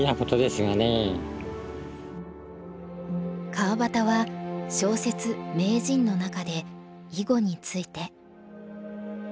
川端は小説「名人」の中で囲碁について。